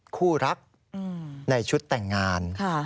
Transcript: คู่รักในชุดแต่งงาน